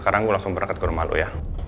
sekarang gue langsung berangkat ke rumah lo ya